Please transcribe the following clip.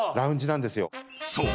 ［そう。